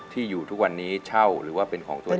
ที่อยู่ทุกวันนี้เช่าหรือว่าเป็นของตัวเอง